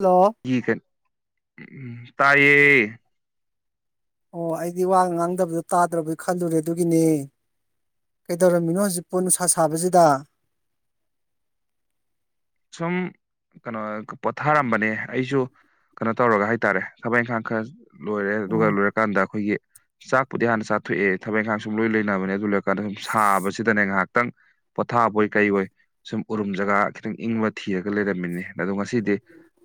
hello ꯏꯒ ꯎ ꯇꯥꯏꯌꯦ ꯑꯣ ꯑꯩꯗꯤ ꯋꯥꯒ ꯉꯥꯡꯗꯕꯗꯣ ꯇꯥꯗ꯭ꯔꯕꯕꯣꯏ ꯈꯜꯂꯨꯔꯦ ꯑꯗꯨꯒꯤꯅꯦ ꯀꯩꯗꯧꯔꯝꯃꯤꯅꯣ ꯍꯧꯖꯤꯛ ꯄꯣ ꯅꯨꯡꯁꯥ ꯁꯥꯕꯁꯤꯗ ꯁꯨꯝ ꯀꯩꯅꯣ ꯄꯣꯊꯥꯔꯝꯕꯅꯦ ꯑꯩꯁꯨ ꯀꯩꯅꯣ ꯇꯧꯔꯒ ꯍꯥꯏꯇꯥꯔꯦ ꯊꯕꯛ ꯏꯪꯈꯥꯡ ꯈꯔ ꯂꯣꯏꯔꯦ ꯑꯗꯨꯒ ꯎꯝ ꯂꯣꯏꯔꯀꯥꯟꯗ ꯑꯩꯈꯣꯏꯒꯤ ꯆꯥꯛꯄꯨꯗꯤ ꯍꯥꯟꯅ ꯆꯥꯊꯣꯛꯑꯦ ꯊꯕꯛ ꯏꯪꯈꯥꯡ ꯁꯨꯝ ꯂꯣꯏ ꯂꯩꯅꯕꯅꯦ ꯑꯗꯨ ꯂꯣꯏ ꯀꯗꯨꯝ ꯁꯥꯕꯁꯤꯗꯅꯦ ꯉꯥꯏꯍꯥꯛꯇꯪ ꯄꯣꯊꯥꯕꯣꯏ ꯀꯩꯋꯣꯏ ꯁꯨꯝ ꯎꯔꯨꯝ ꯖꯒꯥ ꯈꯤꯇꯪ ꯏꯪꯕ ꯊꯤꯔꯒ ꯂꯩꯔꯝꯃꯤꯅꯤ ꯑꯗꯣ ꯉꯁꯤꯗꯤ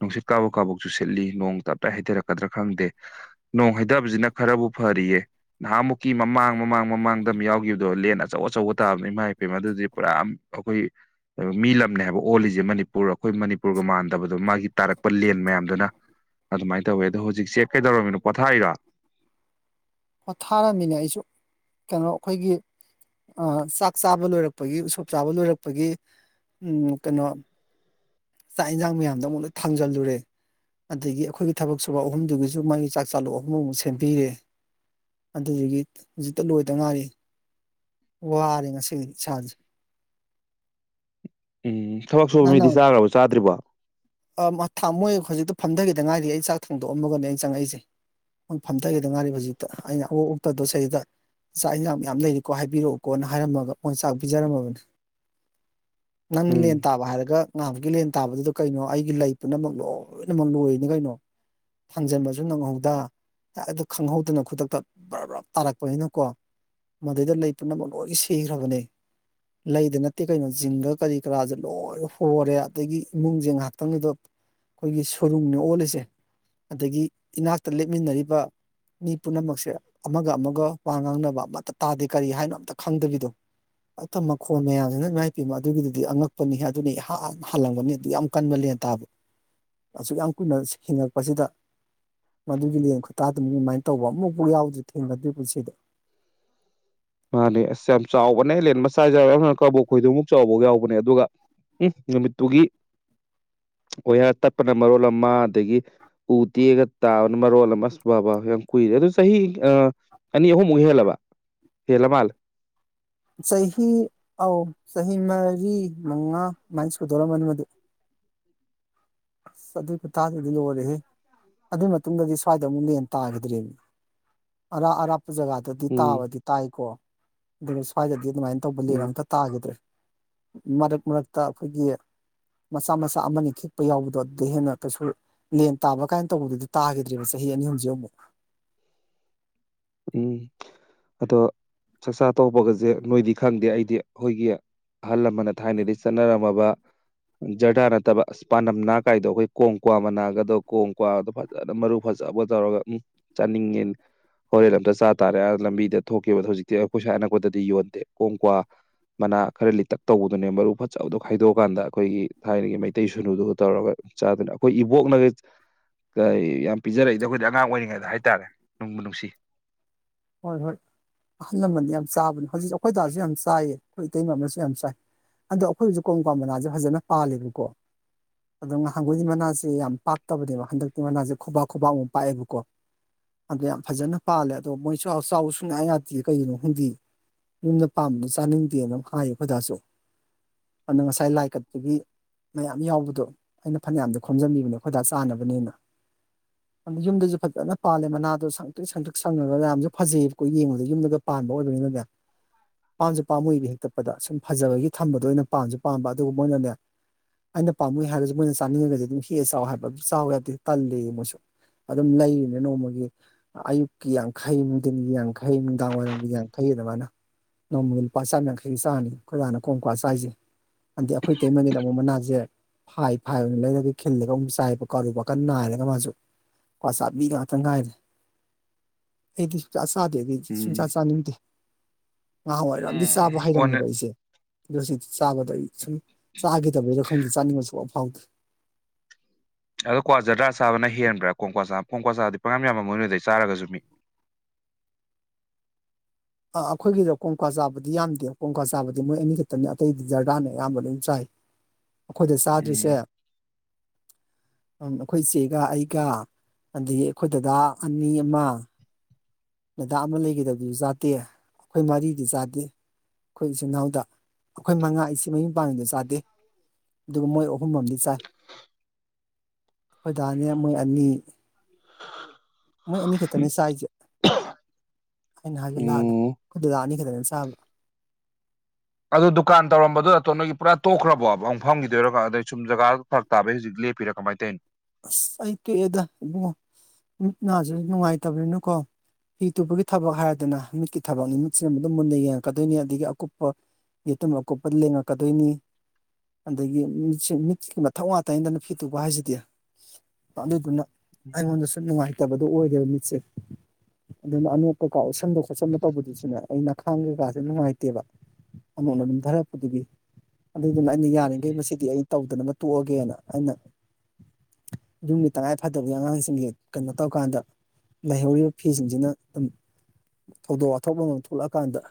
ꯅꯨꯡꯁꯤꯠ ꯀꯥꯕꯣꯛ ꯀꯥꯕꯣꯛ ꯆꯨ ꯁꯤꯠꯂꯤ ꯅꯣꯡ ꯇꯞꯇꯥꯏ ꯍꯩꯗꯔꯛꯀꯗ꯭ꯔꯥ ꯈꯪꯗꯦ ꯅꯣꯡ ꯍꯩꯗꯕꯁꯤꯅ ꯈꯔꯕꯨ ꯐꯔꯤꯌꯦ ꯅꯍꯥꯟꯃꯨꯛꯀꯤ ꯃꯃꯥꯡ ꯃꯃꯥꯡ ꯃꯃꯥꯡꯗ ꯑꯃ ꯌꯥꯎꯈꯤꯕꯗꯣ ꯂꯦꯟ ꯑꯆꯧ ꯑꯆꯧꯕ ꯇꯥꯕꯅꯤ ꯏꯃꯥꯏꯄꯦꯝꯃ ꯑꯗꯨꯗꯤ ꯄꯨꯔꯥ ꯑꯩꯈꯣꯏ ꯑ ꯃꯤ ꯂꯝꯅꯦ ꯍꯥꯏꯕꯨ ꯑꯣꯜꯂꯤꯖꯦ ꯃꯅꯤꯄꯨꯔ ꯑꯩꯈꯣꯏ ꯃꯅꯤꯄꯨꯔꯒ ꯃꯥꯟꯗꯕꯗꯣ ꯃꯥꯒꯤ ꯇꯥꯔꯛꯄ ꯂꯦꯟ ꯃꯌꯥꯝꯗꯨꯅ ꯑꯗꯨꯃꯥꯏ ꯇꯧꯋꯦ ꯑꯗꯣ ꯍꯧꯖꯤꯛꯁꯦ ꯀꯩꯗꯧꯔꯝꯃꯤꯅꯣ ꯄꯣꯊꯥꯔꯤꯔꯣ ꯄꯣꯠꯊꯥꯔꯝꯃꯤꯅꯦ ꯑꯩꯁꯨ ꯀꯩꯅꯣ ꯑꯩꯈꯣꯏꯒꯤ ꯑ ꯆꯥꯛ ꯆꯥꯕ ꯂꯣꯏꯔꯛꯄꯒꯤ ꯎꯁꯣꯞ ꯆꯥꯕ ꯂꯣꯏꯔꯛꯄꯒꯤ ꯎꯝ ꯀꯩꯅꯣ ꯆꯥꯛ ꯏꯟꯖꯥꯡ ꯃꯌꯥꯝꯗꯣ ꯑꯃꯨꯛ ꯂꯣꯏ ꯊꯥꯡꯖꯜꯂꯨꯔꯦ ꯑꯗꯒꯤ ꯑꯩꯈꯣꯏꯒꯤ ꯊꯕꯛ ꯁꯨꯕ ꯑꯍꯨꯝꯗꯨꯒꯤꯁꯨ ꯃꯥꯒꯤ ꯆꯥꯛ ꯆꯥꯂꯨꯛ ꯑꯍꯨꯝ ꯑꯃꯨꯛ ꯁꯦꯝꯕꯤꯔꯦ ꯑꯗꯨꯗꯨꯒꯤ ꯍꯧꯖꯤꯛꯇ ꯂꯣꯏꯗ ꯉꯥꯏꯔꯤ ꯋꯥꯔꯦ ꯉꯁꯤꯒꯤ ꯏꯁꯥꯖꯦ ꯎꯝ ꯊꯕꯛ ꯁꯨꯕ ꯃꯤꯗꯤ ꯆꯥꯒ꯭ꯔꯕ ꯆꯥꯗ꯭ꯔꯤꯕꯣ ꯑ ꯃ ꯊꯥꯡ ꯃꯣꯏ ꯍꯧꯖꯤꯛꯇ ꯐꯝꯗꯒꯤꯗ ꯉꯥꯏꯔꯤ ꯑꯩ ꯆꯥꯛ ꯊꯥꯡꯗꯣꯛꯑꯝꯒꯅꯦ ꯑꯩꯅ ꯆꯪꯉꯛꯏꯁꯦ ꯐꯝꯗꯒꯤꯗ ꯉꯥꯔꯤ ꯍꯧꯖꯤꯛꯇ ꯑꯩꯅ ꯑꯋꯣꯛ ꯑꯣꯛꯇꯗꯣ ꯁꯩꯗ ꯆꯥꯛ ꯏꯟꯖꯥꯡ ꯃꯌꯥꯝ ꯂꯩꯔꯤꯀꯣ ꯍꯥꯏꯕꯤꯔꯛꯎꯀꯣꯅ ꯍꯥꯏꯔꯝꯃꯒ ꯃꯣꯏ ꯆꯥꯛ ꯄꯤꯖꯔꯝꯃꯕꯅꯦ [inaudible] ꯅꯪꯅ ꯎꯝ ꯂꯦꯟ ꯇꯥꯕ ꯍꯥꯏꯔꯒ ꯉꯍꯥꯟꯃꯨꯛꯀꯤ ꯂꯦꯟ ꯇꯥꯕꯗ ꯑꯗꯨ ꯀꯩꯅꯣ ꯑꯩꯒꯤ ꯂꯩ ꯄꯨꯝꯅꯃꯛ ꯂꯣꯏꯅꯃꯛ ꯂꯣꯏꯔꯤꯅꯤ ꯀꯩꯅꯣ ꯊꯥꯡꯖꯟꯕꯁꯨ ꯅꯪꯍꯧꯗ ꯑꯗꯣ ꯈꯪꯍꯧꯗꯅ ꯈꯨꯗꯛꯇ ꯕ꯭ꯔꯞ ꯕ꯭ꯔꯞ ꯇꯥꯔꯛꯄꯅꯤꯅꯀꯣ ꯃꯗꯩꯗ ꯂꯩ ꯄꯨꯝꯅꯃꯛ ꯂꯣꯏ ꯁꯤꯈ꯭ꯔꯕꯅꯦ ꯂꯩꯗ ꯅꯠꯇꯦ ꯀꯩꯅꯣ ꯖꯤꯡꯒ ꯀꯔꯤ ꯀꯔꯥꯁꯦ ꯂꯣꯏ ꯑꯣꯔꯦ ꯑꯗꯒꯤ ꯏꯃꯨꯡꯁꯦ ꯉꯍꯥꯛꯇꯪꯅꯤꯗꯣ ꯑꯩꯈꯣꯏꯒꯤ ꯁꯣꯔꯨꯡꯅꯦ ꯑꯣꯜꯂꯤꯁꯦ ꯑꯗꯒꯤ ꯏꯅꯥꯛꯇ ꯂꯦꯞꯃꯤꯟꯅꯔꯤꯕ ꯃꯤ ꯄꯨꯝꯅꯃꯛꯁꯦ ꯑꯃꯒ ꯑꯃꯒ ꯋꯥ ꯉꯥꯡꯅꯕ ꯑꯃꯠꯇ ꯇꯥꯗꯦ ꯀꯔꯤ ꯍꯥꯏꯅꯣ ꯑꯝꯇ ꯈꯪꯗꯕꯤꯗꯣ ꯑ ꯇ ꯃꯈꯣꯜ ꯃꯌꯥꯝꯖꯤꯅ ꯏꯃꯥꯏꯄꯦꯝꯃ ꯑꯗꯨꯒꯤꯗꯨꯗꯤ ꯑꯉꯛꯄꯅꯤ ꯍꯦ ꯑꯗꯨꯅꯤ ꯏꯍ ꯍꯍ ꯍꯜꯥꯂꯝꯒꯅꯤ ꯑꯗꯨ ꯌꯥꯝ ꯀꯟꯕ ꯂꯦꯟ ꯇꯥꯕ ꯑꯁꯨꯛ ꯌꯥꯝ ꯀꯨꯏꯅ ꯍꯤꯡꯉꯛꯄꯁꯤꯗ ꯃꯗꯨꯒꯤ ꯂꯦꯟ ꯈꯨꯇꯥ ꯑꯗꯨꯝ ꯑꯗꯨꯃꯥꯏꯅ ꯇꯧꯕ ꯑꯃꯨꯛꯐꯥꯎ ꯌꯥꯎꯗ꯭ꯔꯤ ꯊꯦꯡꯅꯗ꯭ꯔꯤ ꯄꯨꯟꯁꯤꯗ ꯃꯥꯅꯦ ꯑꯁ ꯌꯥꯝ ꯆꯥꯎꯕꯅꯦ ꯂꯦꯟ ꯃꯆꯥ [unintelligible] ꯀꯕꯣꯛꯈꯣꯏꯗꯣꯝꯃꯨꯛ ꯆꯥꯎꯕꯒ ꯌꯥꯎꯕꯅꯦ ꯑꯗꯨꯒ ꯎꯝ ꯅꯨꯃꯤꯠꯇꯨꯒꯤ ꯑꯣꯏꯌꯥꯔ ꯇꯠꯄꯅ ꯃꯔꯣꯜ ꯑꯃ ꯑꯗꯒꯤ ꯎ ꯇꯦꯛꯑꯒ ꯇꯥꯕꯅ ꯃꯔꯣꯜ ꯑꯃ ꯑꯁ ꯕꯥ ꯕꯥ ꯌꯥꯝ ꯀꯨꯏꯔꯦ ꯑꯗꯨ ꯆꯍꯤ ꯑꯥ ꯑꯅꯤ ꯑꯍꯨꯝꯃꯨꯛ ꯍꯦꯜꯂꯕ ꯍꯦꯜꯂꯃꯥꯜꯂꯦ ꯆꯍꯤ ꯑꯧ ꯆꯍꯤ ꯃꯔꯤ ꯃꯉꯥ ꯑꯗꯨꯃꯥꯏ ꯁꯨꯗꯣꯔꯝꯅꯤ ꯃꯗꯨ ꯑꯁ ꯑꯗꯨꯏ ꯈꯨꯇꯥꯗꯨꯗꯤ ꯂꯣꯏꯔꯦꯍꯦ ꯑꯗꯨꯏ ꯃꯇꯨꯡꯗꯗꯤ ꯁ꯭ꯋꯥꯏꯗ ꯑꯃꯨꯛ ꯂꯦꯟ ꯇꯥꯒꯤꯗ꯭ꯔꯦꯃꯤ ꯑꯔꯥꯞ ꯑꯔꯥꯞꯄ ꯖꯒꯥꯗꯗꯤ ꯎꯝ ꯇꯥꯕꯗꯤ ꯇꯥꯏꯀꯣ ꯑꯗꯨꯒ ꯁ꯭ꯋꯥꯏꯗꯗꯤ ꯑꯗꯨꯃꯥꯏ ꯇꯧꯕ ꯂꯦꯟ ꯎꯝ ꯑꯝꯇ ꯇꯥꯒꯤꯗ꯭ꯔꯦ ꯃꯔꯛ ꯃꯔꯛꯇ ꯑꯩꯈꯣꯏꯒꯤ ꯃꯆꯥ ꯃꯆꯥ ꯑꯃꯅꯤ ꯈꯤꯛ ꯄ ꯌꯥꯎꯕꯗꯣ ꯑꯗꯨꯗꯩ ꯍꯦꯟꯅ ꯀꯩꯁꯨ ꯂꯦꯟ ꯇꯥꯕ ꯀꯥꯏꯅ ꯇꯧꯕꯗꯨꯗꯤ ꯇꯥꯒꯤꯗ꯭ꯔꯦꯕ ꯆꯍꯤ ꯑꯅꯤ ꯑꯍꯨꯝꯖꯦ ꯑꯃꯨꯛ ꯎꯝ ꯑꯗꯣ ꯆꯥꯛꯆꯥ ꯇꯣꯛꯄꯒꯖꯦ ꯅꯣꯏꯗꯤ ꯈꯪꯗꯦ ꯑꯩꯗꯤ ꯑꯩꯈꯣꯏꯒꯤ ꯑꯍꯜ ꯂꯃꯟꯅ ꯊꯥꯏꯅꯗꯤ ꯆꯠꯅꯔꯝꯃꯕ ꯖꯔꯗꯥ ꯅꯠꯇꯕ ꯄꯥꯟꯅꯝ ꯅꯥ ꯀꯥꯏꯗꯣ ꯑꯩꯈꯣꯏ ꯀꯣꯡ ꯀ꯭ꯋꯥ ꯃꯅꯥꯒꯗꯣ ꯀꯣꯡ ꯀ꯭ꯋꯥꯒꯗꯣ ꯐꯖꯅ ꯃꯔꯨ ꯐꯖꯕ ꯇꯧꯔꯒ ꯎꯝ ꯆꯥꯅꯤꯡꯉꯦ ꯍꯣꯔꯦꯟ ꯑꯝꯇ ꯆꯥ ꯇꯥꯔꯦ ꯑ ꯂꯝꯕꯤꯗ ꯊꯣꯛꯈꯤꯕꯗ ꯍꯧꯖꯤꯛꯇꯤ ꯑꯩꯈꯣꯏ ꯁꯥꯏ ꯑꯅꯛꯄꯗꯗꯤ ꯌꯣꯟꯗꯦ ꯀꯣꯡ ꯀ꯭ꯋꯥ ꯃꯅꯥ ꯈꯔ ꯂꯤꯇꯛ ꯇꯧꯕꯗꯨꯅꯦ ꯃꯔꯨ ꯐꯖꯕꯗꯣ ꯈꯥꯏꯗꯣꯛꯑꯀꯥꯟꯗ ꯑꯩꯈꯣꯏꯒꯤ ꯊꯥꯏꯅꯒꯤ ꯃꯩꯇꯩ ꯁꯨꯅꯨꯗꯨꯒ ꯇꯧꯔꯒ ꯆꯥꯗꯅ ꯑꯩꯈꯣꯏ ꯏꯕꯣꯛꯅꯒ ꯀ ꯌꯥꯝ ꯄꯤꯖꯔꯛꯏꯗ ꯑꯩꯈꯣꯏꯗꯤ ꯑꯉꯥꯡ ꯑꯣꯏꯔꯤꯉꯩꯗ ꯍꯥꯏꯇꯥꯔꯦ ꯅꯨꯡꯕꯨ ꯅꯨꯡꯁꯤ ꯍꯣꯏ ꯍꯣꯏ ꯑꯍꯜ ꯂꯃꯟ ꯌꯥꯝ ꯆꯥꯕꯅꯤ ꯍꯧꯖꯤꯛ ꯑꯩꯈꯣꯏ ꯗꯥꯖꯨ ꯌꯥꯝ ꯆꯥꯏꯌꯦ ꯑꯩꯈꯣꯏ ꯏꯇꯩꯃ ꯑꯃꯁꯨ ꯌꯥꯝ ꯆꯥꯏ ꯑꯗꯣ ꯑꯩꯈꯣꯏ ꯍꯧꯤꯛ ꯀꯣꯝ ꯀ꯭ꯋꯥ ꯃꯅꯥꯖꯦ ꯐꯖꯅ ꯄꯥꯜꯂꯤꯕꯀꯣ ꯑꯗꯣ ꯉꯍꯥꯟꯒꯩꯗꯤ ꯃꯅꯥꯁꯦ ꯌꯥꯝ ꯄꯥꯛꯇꯕꯅꯦꯕ ꯍꯟꯗꯛꯇꯤ ꯃꯅꯥꯖꯦ ꯈꯨꯕꯥꯛ ꯈꯨꯕꯥꯛ ꯃꯨꯛ ꯄꯥꯛꯑꯦꯕꯀꯣ ꯑꯗꯣ ꯌꯥꯝ ꯐꯖꯅ ꯄꯥꯜꯂꯦ ꯑꯗꯣ ꯃꯣꯏ ꯆꯥꯎ ꯆꯥꯎ ꯁꯨꯡꯌꯥ ꯌꯥꯗꯦ ꯀꯩꯒꯤꯅꯣ ꯈꯪꯗꯤꯌꯦ ꯌꯨꯝꯗ ꯄꯥꯝꯕꯗꯨ ꯆꯥꯅꯤꯡꯗꯦꯅ ꯍꯥꯏ ꯑꯩꯈꯣꯏꯗꯥꯁꯨ ꯑꯗꯨ ꯉꯁꯥꯏ ꯂꯥꯏ ꯀꯠꯄꯒꯤ ꯃꯌꯥꯝ ꯌꯥꯎꯕꯗꯣ ꯑꯩꯅ ꯐꯅꯌꯥꯝꯗꯤ ꯈꯣꯝꯖꯟꯕꯤꯕꯅꯦ ꯑꯩꯈꯣꯏꯗꯥ ꯆꯥꯅꯕꯅꯦꯅ ꯑꯗꯨ ꯌꯨꯝꯗꯖꯨ ꯐꯖꯅ ꯄꯥꯜꯂꯦ ꯃꯅꯥꯗꯣ ꯁꯪꯇ꯭ꯔꯤꯛ ꯁꯪꯇ꯭ꯔꯤꯛ ꯁꯪꯉꯒ ꯃꯌꯥꯝꯖꯨ ꯐꯖꯩꯕꯀꯣ ꯌꯦꯡꯕꯗ ꯌꯨꯝꯗꯒ ꯄꯥꯟꯕ ꯑꯣꯏꯕꯅꯤꯅꯅꯦ ꯄꯥꯝꯖꯨ ꯄꯥꯝꯃꯨꯏꯕ ꯍꯦꯛꯇꯠꯄꯗ ꯁꯨꯝ ꯐꯖꯕꯒꯤ ꯊꯝꯕꯗꯣ ꯑꯣꯏꯅ ꯄꯥꯝꯖꯨ ꯄꯥꯝꯕ ꯑꯗꯨꯒ ꯃꯣꯏꯅꯅꯦ ꯑꯩꯅ ꯄꯥꯝꯃꯨꯏ ꯍꯥꯏꯔꯖꯨ ꯃꯣꯏꯅ ꯆꯥꯅꯤꯡꯉꯒꯗꯤ ꯑꯗꯨꯝ ꯍꯦꯛꯑꯥ ꯆꯥꯎ ꯍꯥꯏꯕ ꯑꯗꯨ ꯆꯥꯎ ꯌꯥꯗꯦ ꯇꯜꯂꯦꯌꯦ ꯃꯣꯏꯁꯨ ꯑꯗꯨꯝ ꯂꯩꯔꯤꯅꯦ ꯅꯣꯡꯃꯒꯤ ꯑꯌꯨꯛꯀꯤ ꯌꯥꯡꯈꯩꯃꯨꯛ ꯅꯨꯡꯗꯤꯟꯒꯤ ꯌꯥꯡꯈꯩ ꯅꯨꯡꯗꯥꯡꯋꯥꯏꯔꯝꯒꯤ ꯌꯥꯡꯈꯩ ꯑꯗꯨꯃꯥꯏꯅ ꯅꯣꯡꯃꯒꯤ ꯂꯨꯄꯥ ꯆꯥꯝ ꯌꯥꯡꯈꯩꯒꯤ ꯆꯥꯡꯅꯤ ꯑꯩꯈꯣꯏꯗꯥꯅ ꯀꯣꯡꯀ꯭ꯋꯥ ꯆꯥꯏꯖꯦ ꯑꯗꯤ ꯑꯩꯈꯣꯏ ꯏꯇꯩꯃꯒꯤꯅ ꯑꯃꯨꯛ ꯃꯅꯥꯖꯦ ꯐꯥꯏ ꯐꯥꯏ ꯑꯣꯏꯅ ꯂꯩꯔꯒ ꯈꯤꯜꯂꯒ ꯑꯃꯨꯛ ꯆꯥꯏꯕ [unintelligible] ꯀꯟ ꯅꯥꯏꯔꯒ ꯃꯥꯖꯨ ꯀ꯭ꯋꯥ ꯆꯥꯕꯤ ꯉꯥꯛꯇ ꯉꯥꯏꯔꯦ [inaudible] ꯑꯩꯗꯤ ꯁꯨꯡꯆꯥ ꯆꯥꯗꯦ ꯑꯗꯨꯗꯤ ꯁꯨꯡꯆꯥ ꯎꯝ ꯆꯥꯅꯤꯡꯗꯦ ꯉꯍꯥꯟꯋꯥꯏꯔꯣꯝꯗꯤ ꯆꯥꯕ ꯎꯝ ꯑꯣꯟꯅ ꯍꯩꯔꯝꯃꯦꯕ ꯑꯩꯖꯦ ꯑꯗꯣ ꯍꯨꯖꯤꯛꯇꯤ ꯆꯥꯕꯗꯣ ꯑꯩ ꯁꯨꯝ ꯆꯥꯒꯤꯗꯕꯩꯔ ꯈꯪꯗꯦ ꯆꯥꯅꯤꯡꯕ ꯁꯨꯡꯐꯥꯎ ꯐꯥꯎꯗꯦ ꯑꯗꯣ ꯀ꯭ ꯋꯥ ꯖ꯭ꯔꯗꯥ ꯆꯥꯕꯅ ꯍꯦꯟꯕ꯭ꯔ ꯀꯣꯡꯀ꯭ꯋꯥ ꯆꯥ ꯀꯣꯡꯀ꯭ꯋꯥ ꯆꯥꯕꯗꯤ ꯄꯪꯌꯥꯝ‌ ꯌꯥꯝꯉꯝꯃꯣꯏ ꯅꯣꯏꯗꯩ ꯆꯥꯔꯒꯖꯨ ꯃꯤ ꯑ ꯑꯩꯈꯣꯏꯒꯤꯔꯣ ꯀꯣꯡꯀ꯭ꯋꯥ ꯆꯥꯕꯗꯤ ꯌꯥꯝꯗꯦ ꯀꯣꯡꯀ꯭ꯋꯥ ꯆꯥꯕꯗꯤ ꯃꯣꯏ ꯑꯅꯤ ꯈꯛꯇꯅꯤ ꯑꯇꯩꯗꯤ ꯖꯔꯗꯥꯅ ꯑꯌꯥꯝꯕ ꯂꯣꯏ ꯆꯥꯏ [inaudible] ꯑꯈꯣꯏꯗ ꯆꯥꯗ꯭ꯔꯤꯁꯦ ꯎꯝ ꯑꯩꯈꯣꯏ ꯆꯦꯒ ꯑꯩꯒ ꯑꯗꯒꯤ ꯑꯩꯈꯣꯏ ꯗꯗꯥ ꯑꯅꯤ ꯑꯃ ꯗꯗꯥ ꯑꯃ ꯂꯩꯒꯤꯗꯕꯗꯨꯖꯩ ꯆꯥꯗꯦ ꯑꯩꯈꯣꯏ ꯃꯔꯤꯗꯤ ꯆꯥꯗꯦ ꯑꯩꯈꯣꯏ ꯏꯆꯤꯜ ꯏꯅꯥꯎꯗ ꯑꯩꯈꯣꯏ ꯃꯉꯥ ꯏꯆꯦ ꯃꯌꯨꯝ ꯄꯥꯟꯒꯤꯕꯗꯣ ꯆꯥꯗꯦ ꯑꯗꯨꯒ ꯃꯣꯏ ꯑꯍꯨꯝꯑꯃꯗꯤ ꯆꯥꯏ ꯑꯩꯈꯣꯏꯗꯥꯅꯦ ꯃꯣꯏ ꯑꯅꯤ [unintelligible] ꯃꯣꯏ ꯑꯅꯤꯈꯛꯇꯅꯦ ꯆꯥꯏꯖꯦ ꯑꯩꯅ ꯍꯥꯏꯗꯣ ꯂꯥꯜꯂꯦ ꯎꯝ ꯑꯩꯈꯣꯏ ꯗꯗꯥ ꯑꯅꯤ ꯈꯛꯇꯅꯦ ꯆꯥꯕ ꯑꯗꯨ ꯗꯨꯀꯥꯟ ꯇꯧꯔꯝꯕꯗꯣ ꯅꯇꯣꯟꯗꯒꯤ ꯄꯨꯔꯥ ꯇꯣꯛꯈ꯭ꯔꯕꯣ ꯑꯃꯨꯛ ꯐꯝꯒꯤꯗꯨꯏꯔꯣ ꯖꯒꯥꯗ ꯐꯔꯛ ꯇꯥꯕꯩ ꯍꯧꯖꯤꯛ ꯂꯦꯄꯤꯔ ꯀꯃꯥꯏ ꯇꯧꯏꯅꯣ ꯑꯁ ꯑꯩ ꯇꯣꯛꯑꯦꯗ ꯏꯕꯨꯡꯉꯣ ꯃꯤꯠ ‌ꯅꯁꯨ ꯅꯨꯡꯉꯥꯏꯇꯕꯅꯤꯅꯀꯣ ꯐꯤ ꯇꯨꯕꯒꯤ ꯊꯕꯛ ꯍꯥꯏꯔꯦꯗꯅ ꯃꯤꯠꯀꯤ ꯊꯕꯛꯅꯤꯃꯤꯨꯠꯁꯤꯅ ꯑꯗꯨꯝ ꯃꯨꯟꯅ ꯌꯦꯡꯉꯛꯀꯗꯣꯏꯅꯤ ꯑꯗꯒꯤ ꯑꯀꯨꯞꯄ ꯌꯦꯇꯨꯝ ꯑꯀꯨꯞꯄꯗ ꯂꯦꯡꯉꯛꯀꯗꯣꯏꯅꯤ ꯑꯗꯒꯤ ꯃꯤꯠ ꯃꯤꯠꯀꯤ ꯃꯊꯛ ꯉꯇꯅꯤꯗꯅ ꯐꯤ ꯇꯨꯕ ꯍꯥꯏꯁꯤꯗꯤ ꯑꯗꯨꯗꯨꯅ ꯑꯩꯉꯣꯟꯗꯁꯨ ꯅꯨꯡꯉꯥꯏꯇꯕꯗꯣ ꯑꯣꯏꯔꯦꯕ ꯃꯤꯠꯁꯦ ꯑꯗꯨꯅ ꯑꯅꯣꯛ ꯀꯩꯀꯥ ꯎꯠꯁꯟꯗ ꯈꯣꯠꯁꯟꯕ ꯇꯧꯕꯗꯨꯁꯨꯅꯦ ꯑꯩ ꯅꯈꯥꯡ ꯀꯩꯀꯥꯥꯁꯦ ꯅꯨꯡꯉꯥꯏꯇꯦꯕ ꯑꯇꯣꯞꯄ ꯅꯝꯊꯔꯛꯄꯒꯤ ꯑꯗꯨꯏꯗꯨꯅ ꯑꯩꯅ ꯌꯥꯔꯤꯈꯩ ꯃꯁꯤꯗꯤ ꯑꯩ ꯇꯧꯗꯅꯕ ꯇꯣꯛꯑꯒꯦꯅ ꯑꯩꯅ ꯌꯨꯝꯒꯤ ꯇꯉꯥꯏ ꯐꯗꯕꯒꯤ ꯑꯉꯥꯡꯁꯤꯡ ꯀꯩꯅꯣ ꯇꯧꯀꯥꯟꯗ ꯂꯩꯍꯧꯔꯤꯕ ꯐꯤꯁꯤꯡꯁꯤꯅ ꯑꯗꯨꯝ ꯊꯧꯗꯣꯛ ꯋꯥꯊꯣꯛ ꯑꯃꯃꯝ ꯊꯣꯛꯂꯛꯑꯀꯥꯟꯗ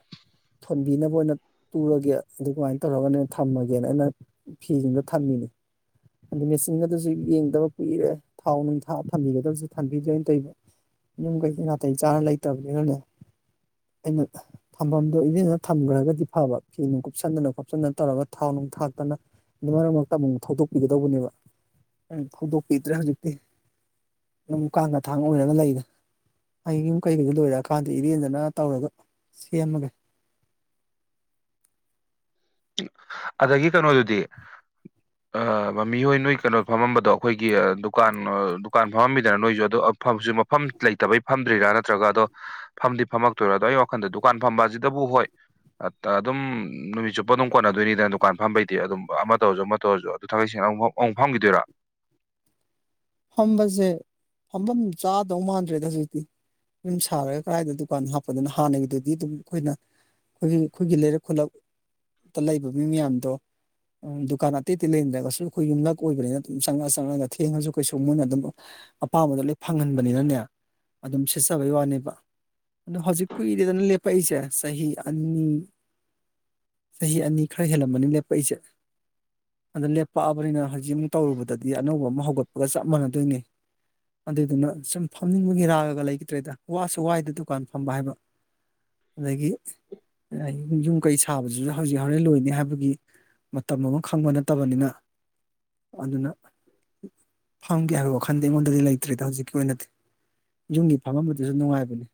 ꯊꯣꯟꯕꯤꯅꯕ ꯑꯣꯏꯅ ꯇꯨꯔꯒꯦ ꯑꯗꯨꯃꯥꯏꯅ ꯇꯧꯔꯒꯅꯦ ꯊꯝꯃꯒꯦꯅ ꯑꯩꯅ ꯐꯤꯜꯁꯤꯡꯗꯣ ꯊꯝꯃꯤꯅꯦ ꯑꯗꯨꯗ ꯃꯦꯆꯤꯟꯒ ꯑꯗꯨꯁꯨꯡ ꯊꯕ ꯀꯨꯏꯔꯦ ꯊꯥꯎ ꯅꯨꯡꯊꯥ ꯊꯝꯕꯤꯒꯗꯕꯁꯨ ꯊꯝꯕꯤꯗ꯭ꯔꯦꯅ ꯇꯧꯏꯕ ꯌꯨꯝ ꯀꯩꯁꯨ ꯅꯥꯇꯩ ꯆꯥꯅ ꯂꯩꯇꯕꯅꯤꯅꯅꯦ ꯑꯩꯅ ꯊꯝꯐꯝꯗꯣ ꯏꯔꯦꯟꯖꯅ ꯊꯝꯈ꯭ꯔꯒꯗꯤ ꯐꯕ ꯐꯤ ꯅꯨꯡ ꯀꯨꯞꯁꯟꯗꯅ ꯈꯣꯞꯆꯗꯅ ꯇꯧꯔꯒ ꯊꯥꯎ ꯅꯨꯡ ꯊꯥꯛꯇꯅ ꯃꯔꯛ ꯃꯔꯛꯇ ꯑꯃꯨꯛ ꯊꯧꯗꯣꯛꯄꯤꯒꯗꯧꯕꯅꯦꯕ ꯎꯝ ꯍꯧꯗꯣꯛꯄꯤꯗ꯭ꯔꯦ ꯍꯧꯖꯤꯛꯇꯤ ꯅꯝ ꯀꯥꯡꯒ ꯊꯥꯡ ꯑꯣꯏꯔꯒ ꯂꯩꯔꯦ ꯑꯩ ꯌꯨꯝ ꯀꯩꯀꯩꯗ ꯂꯣꯏꯔꯛꯑꯀꯥꯟꯗ ꯏꯔꯦꯟꯖꯅ ꯇꯧꯔꯒ ꯁꯦꯝꯃꯒꯦ ꯑꯗꯒꯤ ꯀꯩꯅꯣꯗꯨꯗꯤ ꯑꯥ ꯃꯥꯃꯤꯍꯣꯏ ꯅꯣꯏ ꯀꯩꯅꯣ ꯐꯝꯃꯝꯕꯗꯣ ꯑꯩꯈꯣꯏꯒꯤ ꯗꯨꯀꯥꯟ ꯗꯨꯀꯥꯟ ꯐꯝꯃꯝꯕꯤꯗꯅ ꯅꯣꯏꯁꯨ ꯑꯗꯣꯁꯨ ꯃꯐꯝ ꯂꯩꯇꯕꯩ ꯐꯝꯗ꯭ꯔꯤꯔꯥ ꯅꯠꯇ꯭ꯔꯒ ꯑꯗꯣ ꯐꯝꯗꯤ ꯐꯝꯃꯛꯇꯣꯏꯔ ꯑꯗꯣ ꯑꯩ ꯋꯥꯈꯜꯗ ꯗꯨꯀꯥꯟ ꯐꯝꯕꯁꯤꯗꯕꯨ ꯍꯣꯏ ꯑꯗꯨꯝ ꯅꯨꯃꯤꯠ ꯆꯨꯞ ꯄꯣ ꯑꯗꯨꯝ ꯀꯣꯟꯅꯗꯣꯏꯅꯤꯅ ꯗꯨꯀ ꯐꯝꯕꯩ ꯑꯗꯨꯝ ꯑꯃ ꯇꯧꯔꯁꯨ ꯑꯃ ꯇꯧꯔꯁꯨ ꯑꯗꯨ ꯊꯥꯛꯩ ꯁ ꯑꯃ ꯑꯃꯨꯛ ꯐꯪꯈꯤꯗꯣꯏꯔꯣ ꯐꯝꯕꯁꯦ ꯐꯝꯐꯝ ꯆꯥꯗꯧ ꯃꯥꯟꯗ꯭ꯔꯦꯗ ꯍꯧꯖꯤꯛꯇꯤ ꯌꯨꯝ ꯁꯥꯔꯒ ꯀꯗꯥꯏꯗ ꯗꯨꯀꯥꯟꯗ ꯍꯥꯞꯄꯗꯨꯅ ꯍꯥꯟꯅꯒꯤꯗꯨꯗꯤ ꯑꯗꯨꯝ ꯑꯩꯈꯣꯏꯅ ꯑꯩꯈꯣꯏꯒꯤ ꯑꯩꯈꯣꯏꯒꯤ ꯂꯩꯔꯛ ꯈꯨꯂꯛꯛꯇ ꯂꯩꯕ ꯃꯤ ꯃꯌꯥꯝꯗꯣ ꯎꯝ ꯗꯨꯀꯥꯟ ꯑꯇꯩ ꯑꯇꯩ ꯂꯩꯔꯝꯗ꯭ꯔꯒꯁꯨ ꯑꯩꯈꯣꯏ ꯌꯨꯝꯂꯛ ꯑꯣꯏꯕꯅꯤꯅ ꯑꯗꯨꯝ ꯆꯪꯉ ꯆꯪꯉꯒ ꯊꯦꯡꯉꯁꯨ ꯑꯩꯈꯣꯏꯁꯨ ꯃꯣꯏꯅ ꯑꯗꯨꯝ ꯑꯄꯥꯝꯕꯗ ꯂꯣꯏ ꯐꯪꯍꯟꯕꯅꯤꯅꯅꯦ ꯑꯗꯨꯝ ꯁꯤꯠꯆꯕꯩ ꯋꯥꯅꯦꯕ ꯑꯗꯣ ꯍꯧꯖꯤꯛ ꯀꯨꯏꯔꯦꯗꯅ ꯂꯦꯞꯄꯛꯏꯁꯦ ꯆꯍꯤ ꯑꯅꯤ ꯆꯍꯤ ꯑꯅꯤ ꯈꯔ ꯍꯦꯜꯂꯝꯕꯅꯤ ꯂꯦꯞꯄꯛꯏꯁꯦ ꯑꯗꯨ ꯂꯦꯞꯄꯛꯑꯕꯅꯤꯅ ꯍꯧꯖꯤꯛ ꯌꯨꯝ ꯇꯧꯔꯨꯕꯗꯗꯤ ꯑꯅꯧꯕ ꯑꯃ ꯍꯧꯒꯠꯄꯒ ꯆꯞ ꯃꯥꯟꯅꯗꯣꯏꯅꯤ ꯑꯗꯨꯏꯗꯨꯅ ꯁꯨꯝ ꯐꯝꯅꯤꯡꯕꯒꯤ ꯔꯥꯒ ꯂꯩꯈꯤꯗ꯭ꯔꯦꯗ ꯋꯥꯁꯨ ꯋꯥꯏꯗ ꯗꯨꯀꯥꯟ ꯐꯝꯕ ꯍꯥꯏꯕ ꯑꯗꯒꯤ ꯌꯨꯝ ꯌꯨꯝ ꯀꯩ ꯁꯥꯕꯕꯁꯤꯁꯨ ꯍꯧꯖꯤꯛ ꯍꯣꯔꯦꯟ ꯂꯣꯏꯅꯤ ꯍꯥꯏꯕꯒꯤ ꯃꯇꯝ ꯑꯃ ꯈꯪꯕ ꯅꯠꯇꯕꯅꯤꯅ ꯑꯗꯨꯅ ꯐꯝꯒꯦ ꯍꯥꯏꯕ ꯋꯥꯈꯟꯗꯤ ꯑꯩꯉꯣꯟꯗꯗꯤ ꯂꯩꯇ꯭ꯔꯤꯗ ꯍꯧꯖꯤꯛꯀꯤ ꯑꯣꯏꯅꯗꯤ ꯌꯨꯝꯒꯤ ꯐꯝꯝꯕꯗꯨꯁꯨ ꯅꯨꯡꯉꯥꯏꯕꯅꯤ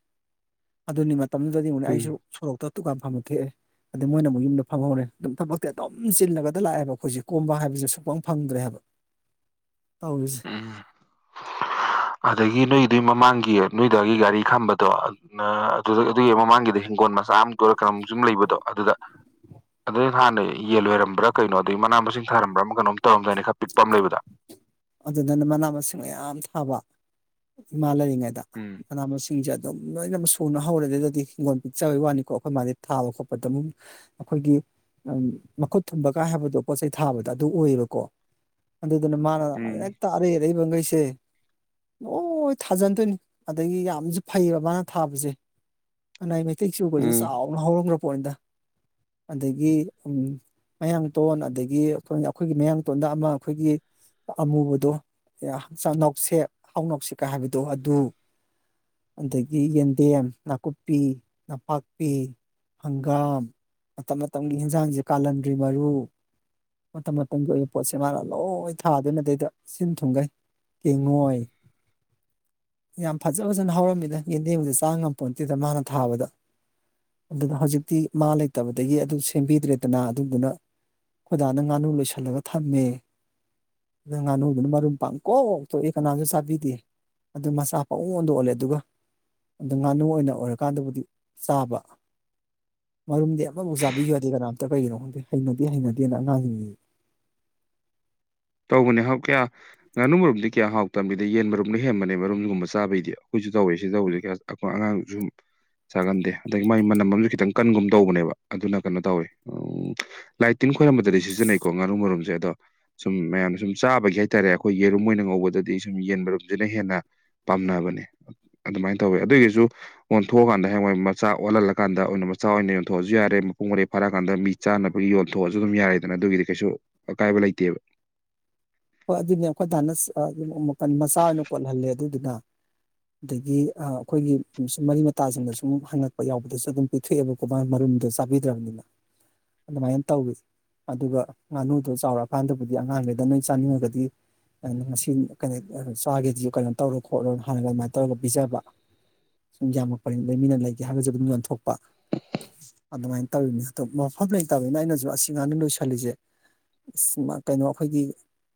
ꯑꯗꯨꯅꯤ ꯃꯇꯝꯗꯨꯗꯗꯤ ꯑꯃꯨꯛꯅꯦ ꯑꯩꯁꯨ ꯎꯝ ꯁꯣꯔꯣꯛꯇ ꯗꯨꯀꯥꯟ ꯐꯝꯕ ꯊꯣꯛꯑꯦ ꯑꯗꯩ ꯃꯣꯏꯅ ꯑꯃꯨꯛꯨ ꯐꯝꯍꯧꯔꯦ ꯑꯗꯨꯝ ꯊꯕꯛꯇꯤ ꯑꯗꯨꯝ ꯆꯤꯜꯂꯒꯗ ꯂꯥꯛꯑꯦꯕ ꯑꯩꯈꯣꯏꯁꯦ ꯀꯣꯝꯕ ꯍꯥꯏꯕꯁꯤ ꯁꯨꯛꯄꯪ ꯐꯪꯗ꯭ꯔꯦ ꯍꯥꯏꯕ ꯇꯧꯔꯤꯁꯦ ꯎꯝ ꯑꯗꯒꯤ ꯅꯣꯏꯗꯨ ꯃꯃꯥꯡꯒꯤ ꯅꯣꯏꯒꯤ ꯗꯥꯒꯤ ꯒꯥꯔꯤ ꯈꯝꯕꯗꯣ ꯑꯗꯨꯗ ꯑꯗꯨꯒꯤ ꯃꯃꯥꯡꯒꯤꯗ ꯍꯤꯡꯒꯣꯜ ꯃꯆꯥ ꯑꯃ ꯇꯔ ꯀꯩꯅꯣꯝ ꯁꯨꯝ ꯂꯩꯕꯗꯣ ꯑꯗꯨꯗ ꯑꯗꯩ ꯍꯥꯟꯅ ꯌꯦꯟ ꯂꯣꯏꯔꯝꯕ꯭ꯔꯥ ꯀꯩꯅꯣ ꯑꯗꯗꯒꯤ ꯃꯅꯥ ꯃꯁꯤꯡ ꯊꯥꯔꯝꯕ꯭ꯔꯥ ꯀꯩꯅꯣꯝ ꯇꯧꯔꯝꯗꯥꯏꯅꯦ ꯈꯔ ꯄꯤꯛꯄ ꯑꯃ ꯂꯩꯕꯗ ꯑꯗꯨꯗꯨꯅ ꯃꯅꯥ ꯃꯁꯤꯡ ꯃꯌꯥꯝ ꯊꯥꯕ ꯏꯃꯥ ꯂꯩꯔꯤꯉꯩꯗ ꯎꯝ ꯃꯅꯥ ꯃꯁꯤꯡꯁꯦ ꯑꯗꯨꯝ ꯂꯣꯏꯅꯃꯛ ꯁꯨꯅ ꯍꯧꯔꯦ ꯑꯗꯨꯗꯗꯤ ꯍꯤꯡꯒꯣꯜ ꯄꯤꯛꯆꯕꯒꯤ ꯋꯥꯅꯤꯀꯣ ꯑꯩꯈꯣꯏ ꯃꯥꯗꯤ ꯊꯥꯕ ꯈꯣꯠꯄꯗ ꯑꯗꯨꯝ ꯑꯩꯈꯣꯏꯒꯤ ꯃꯈꯨꯠ ꯊꯨꯝꯕꯒꯥꯏ ꯍꯥꯏꯕꯗꯣ ꯄꯣꯠꯆꯩ ꯊꯥꯕꯗ ꯑꯗꯨ ꯑꯣꯏꯌꯦꯕꯀꯣ ꯑꯗꯨꯗꯨꯅ ꯃꯥꯅ ꯎꯝ ꯍꯦꯛꯇ ꯑꯔꯩ ꯑꯔꯩꯕ ꯒꯩꯁꯦ ꯂꯣꯏ ꯊꯥꯖꯟꯗꯣꯏꯅꯤ ꯑꯗꯒꯤ ꯌꯥꯝꯁꯨ ꯐꯩꯌꯦꯕ ꯃꯥꯅ ꯊꯥꯕꯖꯦ ꯀꯅꯥꯏ ꯃꯩꯇꯩ ꯆꯨꯒꯖꯦ ꯎꯝ ꯆꯥꯎꯅ ꯍꯧꯔꯝꯒ꯭ꯔ ꯄꯣꯠꯅꯤꯗ ꯑꯗꯒꯤ ꯎꯝ ꯃꯌꯥꯡꯇꯣꯟ ꯑꯗꯒꯤ ꯑꯈꯣꯏ ꯑꯩꯈꯣꯏꯒꯤ ꯃꯌꯥꯡꯇꯣꯟꯗ ꯑꯃ ꯑꯩꯈꯣꯏꯒꯤ ꯑꯃꯨꯕꯗꯣ ꯌꯥ ꯆꯥ ꯅꯥꯎꯁꯦꯞ ꯍꯥꯎ ꯅꯥꯎꯁꯦꯞꯀ ꯍꯥꯏꯕꯗꯣ ꯑꯗꯨ ꯑꯗꯒꯤ ꯌꯦꯟꯗꯦꯝ ꯅꯥꯀꯨꯞꯄꯤ ꯅꯄꯥꯛꯄꯤ ꯍꯪꯒꯥꯝ ꯃꯇꯝ ꯃꯇꯝꯒꯤ ꯍꯤꯟꯖꯥꯡꯁꯦ ꯀꯥꯂꯟꯗ꯭ꯔꯤ ꯃꯔꯨ ꯃꯇꯝ ꯃꯇꯝꯒꯤ ꯑꯣꯏꯕ ꯄꯣꯠꯁꯦ ꯃꯥꯅ ꯂꯣꯏ ꯊꯥꯗꯣꯢꯅꯦ ꯑꯗꯩꯗ ꯁꯤꯟ ꯊꯨꯡꯒꯩ ꯀꯦꯡꯉꯣꯏ ꯌꯥꯝ ꯐꯖ ꯐꯖꯅ ꯍꯧꯔꯝꯃꯤꯗ ꯌꯦꯟꯗꯦꯝꯖꯨ ꯆꯥ ꯉꯝꯄꯣꯟꯇꯦꯗ ꯃꯥꯅ ꯊꯥꯕꯗ ꯑꯗꯨꯗ ꯍꯧꯖꯤꯛꯇꯤ ꯃꯥ ꯂꯩꯇꯕꯗꯒꯤ ꯑꯗꯨ ꯁꯦꯝꯕꯤꯗ꯭ꯔꯦꯗꯅ ꯑꯗꯨꯗꯨꯅ ꯈꯣꯏ ꯗꯥꯅ ꯉꯥꯅꯨ ꯂꯣꯏꯁꯜꯂꯒ ꯊꯝꯃꯦ ꯅꯉꯥꯟꯅꯨꯗꯨꯅ ꯃꯔꯨꯝ ꯄꯪꯀꯣꯛ ꯀꯣꯛꯏ ꯀꯅꯥꯁꯨ ꯆꯥꯕꯤꯗꯦ ꯑꯗꯨ ꯃꯆꯥ ꯄꯑꯣꯟꯗ ꯑꯣꯜꯂꯦ ꯑꯗꯨꯒ ꯑꯗꯨ ꯉꯥꯅꯨ ꯑꯣꯏꯅ ꯑꯣꯏꯔꯀꯥꯟꯗꯕꯨꯗꯤ ꯆꯥꯕ ꯃꯔꯨꯝꯗꯤ ꯑꯃꯐꯧ ꯆꯥꯕꯤꯌꯨ ꯌꯥꯗꯦ ꯀꯅꯥꯝꯇ ꯀꯩꯒꯤꯅꯣ ꯈꯪꯗꯦ ꯍꯩꯅꯗꯦ ꯍꯩꯅꯗꯦꯅ ꯑꯉꯥꯡꯁꯤꯡꯁꯤ ꯇꯧꯕꯅꯦ ꯍꯥꯎ ꯀ꯭ꯌꯥ ꯉꯥꯅꯨ ꯃꯔꯨꯝꯗꯤ ꯀ꯭ꯌꯥ ꯍꯥꯎ ꯇꯝꯅꯤꯗ ꯌꯦꯟ ꯃꯔꯨꯝꯅ ꯍꯦꯟꯕꯅꯦ ꯃꯔꯨꯝꯒꯨꯝꯕ ꯆꯥꯕꯩꯗꯤ ꯈꯣꯏꯖꯨ ꯇꯧꯋꯦ ꯁꯤ ꯇꯧꯕꯖꯦ ꯀ꯭ꯌꯥ ꯑꯈꯣꯏ ꯑꯉꯥꯡ ꯖꯨꯝ ꯆꯥꯒꯟꯗꯦ ꯑꯗꯒꯤ ꯃꯥꯒꯤ ꯃꯅꯝ ꯑꯃꯖꯨ ꯈꯤꯇꯪ ꯀꯟꯒꯨꯝ ꯇꯧꯕꯅꯦꯕ ꯑꯗꯨꯅ ꯀꯅꯣ ꯇꯧꯋꯤ ꯑꯪ ꯂꯥꯏꯇꯤꯟ ꯈꯣꯏꯔꯝꯕꯗꯗꯤ ꯁꯤꯖꯟꯅꯩꯀꯣ ꯉꯥꯅꯨ ꯃꯔꯨꯝꯖꯦ ꯑꯗꯣ ꯁꯨꯝ ꯃꯌꯥꯝꯅ ꯁꯨꯝ ꯆꯥꯕꯒꯤ ꯍꯥꯏꯇꯥꯔꯦ ꯑꯩꯈꯣꯏ ꯌꯦꯔꯨꯝ ꯑꯣꯏꯅ ꯉꯧꯕꯗꯗꯤ ꯁꯨꯝ ꯌꯦꯟ ꯃꯔꯨꯝꯖꯤꯅ ꯍꯦꯟꯅ ꯄꯥꯝꯅꯕꯅꯦ ꯑꯗꯨꯃꯥꯏꯅ ꯇꯧꯋꯦ ꯑꯗꯨꯒꯩꯖꯨ ꯑꯣꯟꯊꯣꯛꯑꯀꯥꯟꯗ ꯍ꯭ꯌꯦꯡꯋꯥꯢ ꯃꯆꯥ ꯑꯣꯜꯍꯜꯂꯀꯥꯟꯗ ꯑꯣꯏꯅ ꯃꯆꯥ ꯑꯣꯏꯅ ꯌꯣꯟꯊꯣꯛꯑꯖꯨ ꯌꯥꯔꯦ ꯃꯄꯨꯡ ꯃꯔꯩ ꯐꯥꯔꯛꯑꯀꯥꯟꯗ ꯃꯤ ꯆꯥꯅꯕꯒꯤ ꯌꯣꯟꯊꯣꯛꯑꯖꯨ ꯑꯗꯨꯝ ꯌꯥꯔꯦꯗꯅ ꯑꯗꯨꯒꯤꯗꯤ ꯀꯩꯁꯨ ꯑꯀꯥꯏꯕ ꯂꯩꯇꯦꯕ ꯍꯣꯏ ꯑꯗꯨꯅꯦ ꯑꯩꯈꯣꯏ ꯗꯥꯅ ꯆꯥ ꯑꯗꯨꯝ ꯃꯆꯥ ꯑꯣꯏꯅ ꯀꯣꯠꯍꯜꯂꯦ ꯑꯗꯨꯗꯨꯅ ꯑꯗꯒꯤ ꯑꯥ ꯑꯈꯣꯏꯒꯤ ꯁꯨꯝ ꯃꯔꯤ ꯃꯇꯥꯁꯤꯡꯗ ꯁꯨꯝ ꯍꯪꯉꯛꯄ ꯌꯥꯎꯕꯗꯁꯨ ꯗꯨꯝ ꯄꯤꯊꯣꯛꯑꯦꯕꯀꯣ ꯃꯥ ꯃꯔꯨꯝꯗꯣ ꯆꯥꯕꯤꯗ꯭ꯔꯝꯅꯤꯅ ꯑꯗꯨꯃꯥꯏꯅ ꯇꯧꯋꯤ ꯑꯗꯨꯒ ꯉꯥꯅꯨꯗꯨ ꯆꯥꯎꯔꯛꯑꯀꯥꯟꯗꯕꯨꯗꯤ ꯑꯉꯥꯡꯈꯩꯗ ꯅꯣꯏ ꯆꯥꯅꯤꯡꯉꯒꯗꯤ ꯉꯁꯤ ꯀꯩꯅꯣ ꯆꯥꯒꯦꯗꯨ ꯀꯩꯅꯣ ꯇꯧꯔꯣ ꯈꯣꯠꯂꯣ ꯍꯥꯢꯔꯒ ꯑꯗꯨꯃꯥꯏꯅ ꯇꯧꯔꯒ ꯄꯤꯖꯕ ꯁꯨꯝ ꯌꯥꯝꯃꯛꯄꯅꯤ ꯑꯗꯩ ꯃꯤꯅ ꯂꯩꯒꯦ ꯍꯥꯏꯒꯁꯨ ꯑꯗꯨꯝ ꯌꯣꯟꯊꯣꯛꯄ ꯑꯗꯨꯃꯥꯏꯅ ꯇꯧꯔꯤꯅꯤ ꯑꯗꯣ ꯃꯐꯝ ꯂꯩꯇꯝꯅꯤꯅ ꯑꯩꯅꯖꯨ ꯑꯁꯤ ꯉꯥꯅꯨ ꯂꯣꯏꯁꯜꯂꯤꯖꯦ ꯁꯤ ꯃꯥ ꯀꯩꯅꯣ ꯑꯈꯣꯏꯒꯤ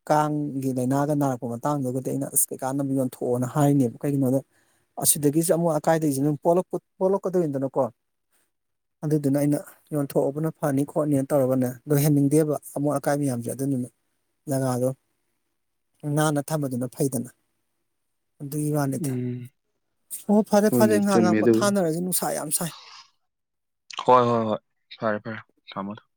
ꯀꯥꯡꯒꯤ ꯂꯩꯅꯥꯒ ꯅꯥꯔꯛꯄ ꯃꯇꯥꯡꯗꯨꯒꯗꯤ ꯑꯩꯅ ꯑꯁ ꯀꯩꯀꯥꯟꯅꯝ ꯌꯣꯟꯊꯣꯛꯑꯣꯅ ꯍꯥꯏꯅꯦꯕ ꯀꯩꯒꯤꯅꯣꯗ ꯑꯁꯤꯗꯒꯤꯖꯨ ꯑꯃꯨꯛ ꯑꯀꯥꯏꯗꯒꯤꯖꯨ ꯗꯨꯝ ꯄꯣꯛꯂꯛ ꯄꯣꯛꯂꯛꯀꯗꯣꯏꯅꯤꯗꯅꯀꯣ ꯑꯗꯨꯗꯨꯅ ꯑꯩꯅ ꯌꯣꯟꯊꯣꯛꯑꯕꯅ ꯐꯅꯤ ꯈꯣꯠꯅꯤꯅ ꯇꯧꯔꯒꯅꯦ ꯂꯣꯏꯍꯟꯅꯤꯡꯗꯦꯕ ꯑꯃꯣꯠ ꯑꯀꯥꯏ ꯃꯌꯥꯝꯖꯦ ꯑꯗꯨꯗꯨꯅ ꯖꯒꯥꯥꯗꯣ ꯅꯥꯟꯅ ꯊꯝꯕꯗꯨꯅ ꯐꯩꯗꯅ ꯑꯗꯨꯒꯤ ꯋꯥꯅꯤꯗ ꯎꯝ ꯑꯣ ꯐꯔꯦ ꯐꯔꯦ ꯍꯣꯏꯅꯦ ꯉꯍꯥꯛ ꯆꯨꯝꯃꯦ ꯉꯍꯥꯛ ꯑꯗꯨꯕꯨ ꯄꯣꯊꯅꯔꯖꯤ ꯅꯨꯡꯁꯥ ꯌꯥꯝ ꯁꯥꯏ ꯍꯣꯏ ꯍꯣꯏ ꯍꯣꯏ ꯐꯔꯦ ꯐꯔꯦ ꯊꯝꯃꯣ ꯊꯝ